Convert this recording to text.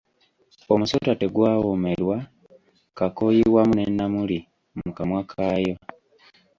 Omusota tegwawomerwa kakooyi wamu ne Namuli mu kamwa k'ayo.